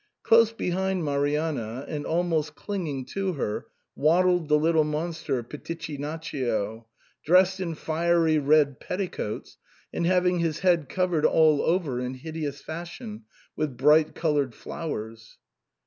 Close behind Marianna, and almost clinging to her, waddled the little monster Pitichinaccio, dressed in fiery red petticoats, and having his head covered all over in hideous fashion with bright coloured flowers.